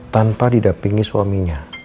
tanpa didapingi suaminya